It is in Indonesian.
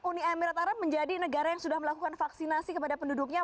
pak dubes ini uni emirat arab menjadi negara yang sudah melakukan vaksinasi kepada penduduknya